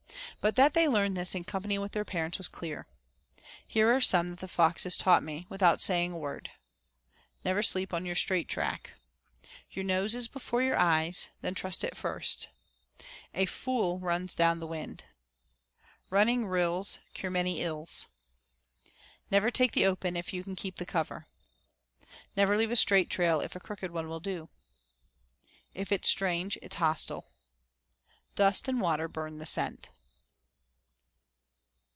But that they learned this in company with their parents was clear. Here are some that foxes taught me, without saying a word: Never sleep on your straight track. Your nose is before your eyes, then trust it first. A fool runs down the wind. Running rills cure many ills. Never take the open if you can keep the cover. Never leave a straight trail if a crooked one will do. If it's strange, it's hostile. Dust and water burn the scent.